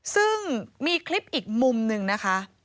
ซึ่งมีคลิปอีกมุมหนึ่งนะคะ